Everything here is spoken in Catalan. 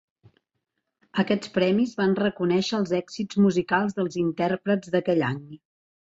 Aquests premis van reconèixer els èxits musicals dels intèrprets d'aquell any.